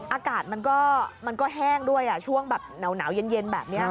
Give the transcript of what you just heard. อากาศมันก็แห้งด้วยช่วงแบบหนาวเย็นแบบนี้